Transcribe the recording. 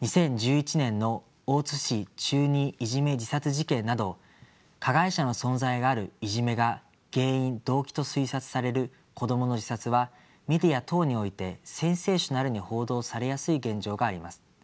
２０１１年の大津市中２いじめ自殺事件など加害者の存在があるいじめが原因・動機と推察される子どもの自殺はメディア等においてセンセーショナルに報道されやすい現状があります。